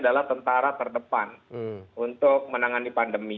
adalah tentara terdepan untuk menangani pandemi